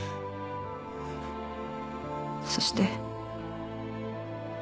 そして。